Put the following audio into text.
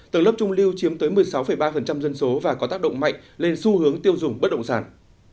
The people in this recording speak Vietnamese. tầng lớp trung lưu chiếm tới một mươi sáu ba dân số và có tác động mạnh lên xu hướng tiêu dùng bất động sản